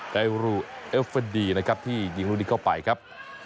เตรูเอฟเฟอร์ดีนะครับที่ยิงลูกนี้เข้าไปครับ